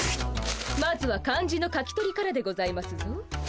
まずは漢字の書き取りからでございますぞ。